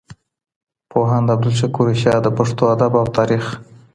پوهاند عبدالشکور رشاد د پښتو ادب او تاریخ